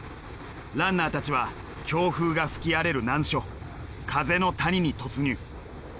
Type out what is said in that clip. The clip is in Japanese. ランナーたちは強風が吹き荒れる難所風の谷に突入。